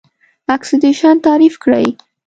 اکسیدیشن تعریف کړئ.